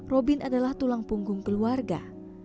robin adalah tulang punggung keluarga